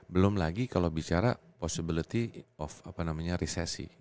belum lagi kalau bicara possibility of apa namanya resesi